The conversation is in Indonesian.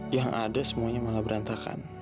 yang ada semuanya malah berantakan